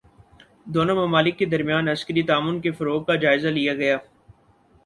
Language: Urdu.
دونوں ممالک کے درمیان عسکری تعاون کے فروغ کا جائزہ لیا گیا